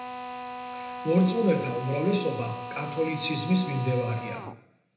მორწმუნეთა უმრავლესობა კათოლიციზმის მიმდევარია.